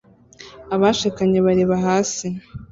Abashakanye bareba hasi